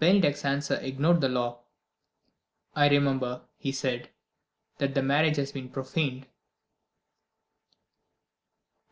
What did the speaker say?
Bennydeck's answer ignored the law. "I remember," he said, "that the marriage has been profaned."